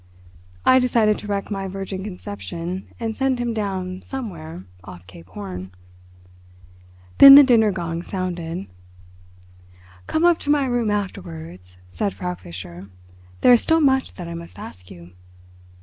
I decided to wreck my virgin conception and send him down somewhere off Cape Horn. Then the dinner gong sounded. "Come up to my room afterwards," said Frau Fischer. "There is still much that I must ask you."